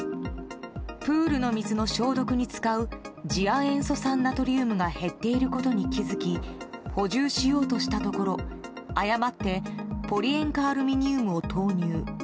プールの水の消毒に使う次亜塩素酸ナトリウムが減っていることに気づき補充しようとしたところ誤ってポリ塩化アルミニウムを投入。